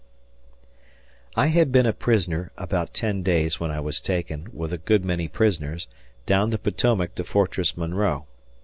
I had been a prisoner about ten days when I was taken, with a good many prisoners, down the Potomac to Fortress Monroe.